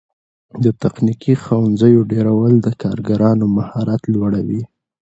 د تخنیکي ښوونځیو ډیرول د کارګرانو مهارت لوړوي.